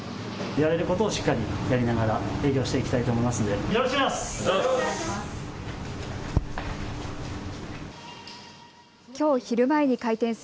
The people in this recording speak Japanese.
やれることをしっかりやりながら営業していきたいと思いますのでよろしくお願いします。